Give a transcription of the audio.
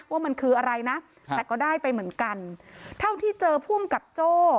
ว่ามันคืออะไรนะแต่ก็ได้ไปเหมือนกันเท่าที่เจอภูมิกับโจ้